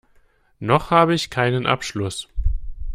Noch habe ich keinen Abschluss.